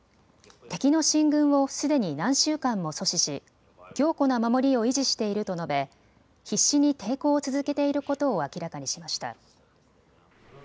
敵の進軍をすでに何週間も阻止し強固な守りを維持していると述べ必死に抵抗を続けていることを明らかにしました。